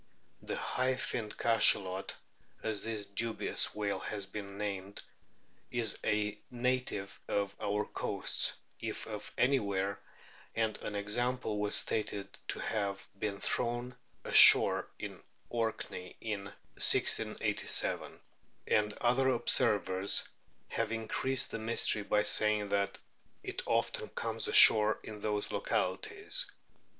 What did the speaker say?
The " High finned Cachalot," as this dubious whale has been termed, is a native of our coasts if of anywhere, and an example was stated to have been thrown ashore in Orkney in 1687, and other observers have increased the mystery by saying that it often comes ashore in those localities.